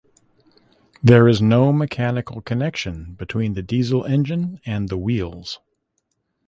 There is no mechanical connection between the diesel engine and the wheels.